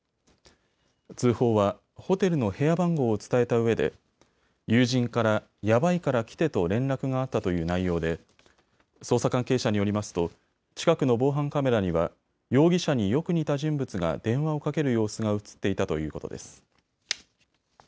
通報はホテルの部屋番号を伝えたうえで友人から、やばいから来てと連絡があったという内容で捜査関係者によりますと近くの防犯カメラには容疑者によく似た人物が電話をかける様子が写っていたということです。